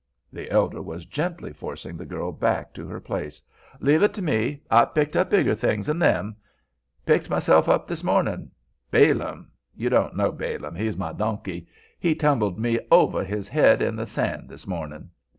The elder was gently forcing the girl back to her place. "Leave it to me. I've picked up bigger things 'n them. Picked myself up this mornin'. Balaam—you don't know Balaam; he's my donkey—he tumbled me over his head in the sand this mornin'."